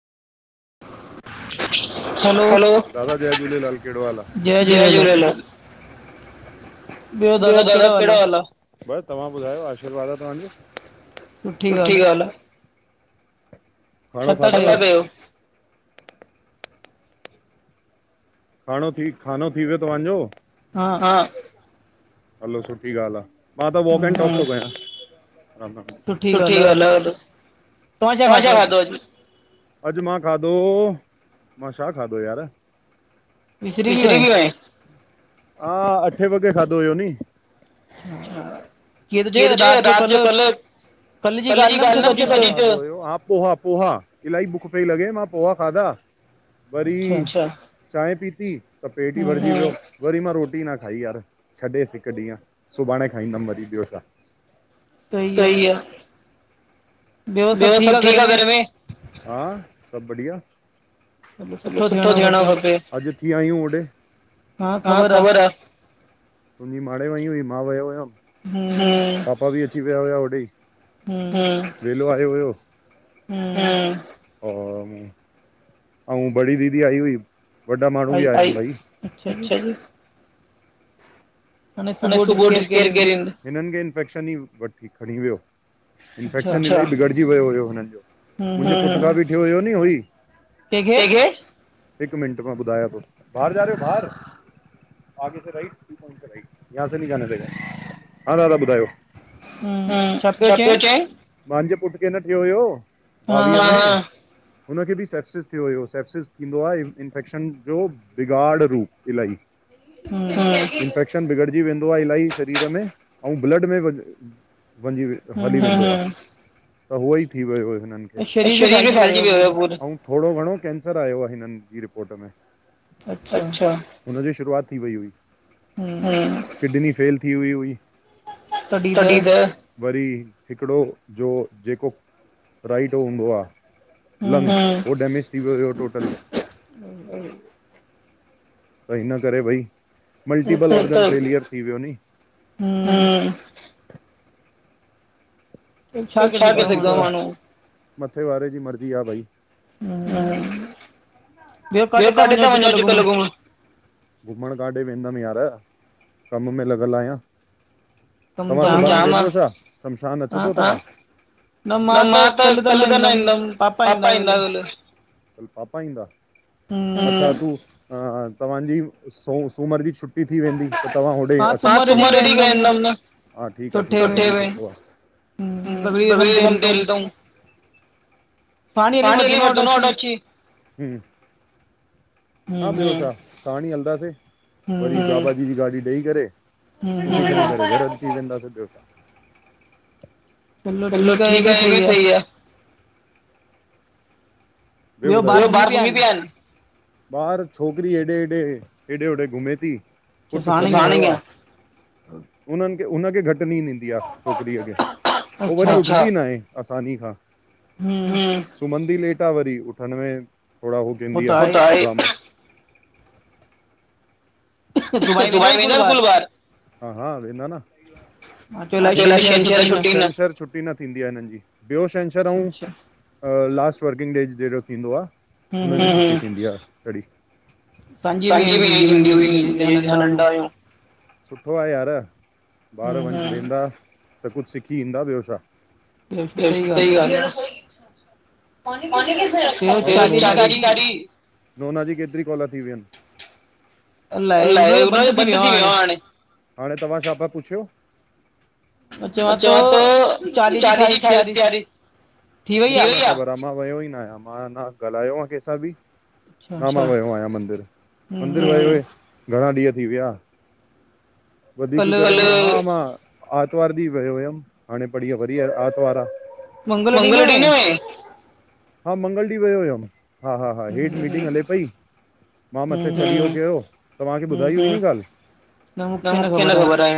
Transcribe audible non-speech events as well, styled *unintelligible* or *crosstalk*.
हलो दादा जय झूलेलाल केहड़ो हाल आह? जय झूलेलाल ॿियो दादा केहड़ो हाल आ? बस तव्हां ॿुधायो आशी‌र्वाद आ तव्हांजो। सुठी ॻाल्ह आह। खणों खाधव? खानो थी खानो थी वयो तव्हांजो? हा हा हलो सुठी ॻाल्ह आह। मां त वॉक *unintelligible* कयां सुठी ॻाल आ हल तवां छा खाधो अॼ? अॼ मां खाधो मां छा खाधो यार? विसरी वऐ, हा अठे वॻे खाधो हुयो नीं। क जो रात जो कल *unintelligible* कल जी गाल् न पुछो त जीत *unintelligible* पोहा पोहा इलाही बुख पई लॻे मां पोहा खाधा, वरी चांहि पीती त पेट ई भरिजी वियो। वरी मां रोटी न खाई यार, छॾेसि हिकु ॾींहुं सुभाणे खाईंदमि वरी, ॿियो छा? सही आ। ॿियो सभु ठीकु आ घर में? हा सभ बढिया। मत सुठो थियणो खपे। अॼु थी आहियूं होॾे, हा ख़बर आ। तुंहिंजी माड़े वई हुई मां वियो हुयुमि, पापा बि अची विया हुया होॾे ई। वेलो आयो हुयो, और अउं बडी दीदी आई हुई, वॾा माण्हू बि आया भाई। हाणे सुबुअ जो ॾिस केर केर ईदो? हिननि खे इन्फेक्शन ई वठी खणी वियो, इन्फेक्शन सां बिगड़जी वियो हुयो हुननि जो। मुंहिंजे पुट खां भी थियो हुयो नी उहई हिकु मिंट मां ॿुधायां तो बाहर जा रहे हो बाहर, आगे से राईट, यहाॅ से नही जाने देंगे, हा दादा ॿुधायो? हम्म, छा पियो चयें? मांजे पुटखे न थियो हुयो, ॿावीह साल हुनखे बि सैपसिस थियो हुयो सेप्सिस थींदो आए, इंफेक्शन जो बिगाड़ रूप इलाही। हूं इन्फेक्ट इंफेक्शन बिगड़जी वेंदो आए इलाही, शरीर में अऊं ब्लड में वनजी हली वेंदो आ हूं हूं हूं त उह ई थी वियो हो हिनन खे, त शरीर में फैलजी वियो हो पूरो। थोड़ो घणो कैंसर आयो आहे, हिनन जी रिपोर्ट में अच्छा। हुनजी शुरूआत थी वई हुई। हम्म किडनी फेल थी वई हुई, तॾी त वरी हिकड़ो जो जेको राइढो हूंदो आ लंग्स, हू डेमेज थी वियो हो टोटल भई हिन करे भई मल्टीपल किलियर थी वियो नी। हम्म मथे वारे जी मर्जी आ भई। हम्म, ॿियो काॾे ता वनो अॼ कल घुमण? घुमण काॾे वेंदम यार? कम में लॻल आयां। तवां *inaudible* छा शमशान अचदो छा न मां त कल त न ईंदम, पापा ईंदा कल। पापा ईंदा, अच्छा तूं त तव्हांजी सू सूमर जी छुट्टी छुट्टी थी वेंदी, त त्वां होॾे अच हा सूमर ॾींह वेंदम न हा ठीक आ सुठे में। हूं *inaudible* *inaudible* हा ॿियो छा सांण ही हलदासीं, वरी बाबा जी जी गाॾी ॾई करे। स्कूटी ते वरी घर अची वेंदासी, ॿियो छा? हलो ठीक आ, हे बि सई आ। ॿियो ॿुधायो? ॿियो ॿार सुमी पिया आइन? ॿाहरि छोकरी हेॾे हेॾे हेॾे होॾे घुमे ती। पुट *inaudible* उनन खे उनखे घटि ॾी छोकरीअ खे पो वरी‌ उथंदी न आहे आसानी खां। सुमंदी लेट आ वरी उथण में थोड़ा हू कंदी आ ड्रामा। सुभाणे वेंदा स्कूल ॿार? मां चयो अलाए छंछर छुट्टी छुटी न थींदी आ हिनन जी ॿियो छंछर अऊं अ लास्ट वर्किंग डेज जो थींदो आ उनजी थींदी आ छडी सुठो आहे यार ॿार वञी वेंदा त कुछ सिखी ईंदा ॿियो छा। *inaudible* नोना जी केतरी कोल थी वियन? अलाए हुनजो बंद थी वियो आ हाणे। मां चवांतो चालीहे जी तैयारी थी वई आ? न मां वयो ई न आयां मां अञा ॻलायो आ कैसां बि। न मां वियो आयां मंदिर, मंदिर वए घणा ॾींहं थी विया। वधीक करे मां आर्तवार ॾींह वयो हुयुम हाणे परीअ वरी आर्तवार आ। मंगल ॾींहं न वऐं,? हा हा हा हेठ मीटिंग हले पई। मां मथे चालीहो कयो तव्हांखे ॿुधाई हुई न ॻाल। न मूंखे न ख़बर आए।